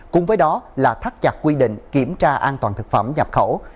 cùng với đó là thắt chặt quy định kiểm tra an toàn thực phẩm nhập khẩu